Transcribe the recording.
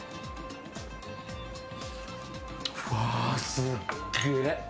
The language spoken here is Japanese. うわー、すっげえ！